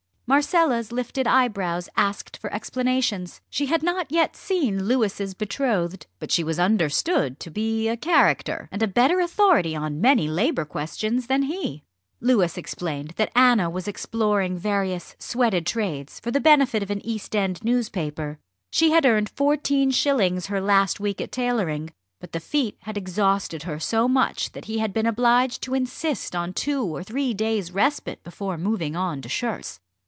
Marcella's lifted eyebrows asked for explanations. She had not yet seen Louis's betrothed, but she was understood to be a character, and a better authority on many Labour questions than he. Louis explained that Anna was exploring various sweated trades for the benefit of an East End newspaper. She had earned fourteen shillings her last week at tailoring, but the feat had exhausted her so much that he had been obliged to insist on two or three days respite before moving on to shirts.